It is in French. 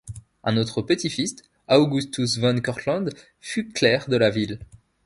Un autre petit-fils, Augustus Van Cortlandt, fut clerc de la ville.